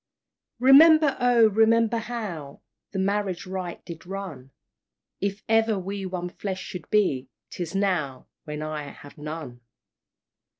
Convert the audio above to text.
"Remember, oh! remember, how The marriage rite did run, If ever we one flesh should be 'Tis now when I have none!